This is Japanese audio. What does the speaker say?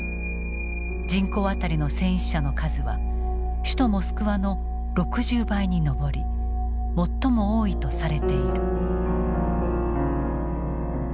人口当たりの戦死者の数は首都モスクワの６０倍に上り最も多いとされている。